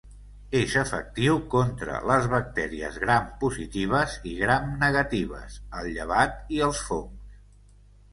És efectiu contra les bactèries gram positives i gram negatives, el llevat i els fongs.